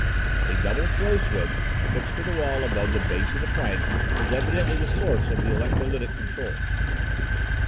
A double throw switch fixed to the wall above the base of the plank was evidently the source of electrolytic control.